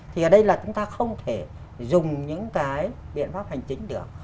thì ở đây là chúng ta không thể dùng những cái biện pháp hành chính được